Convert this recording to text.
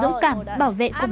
sao các bạn đang uống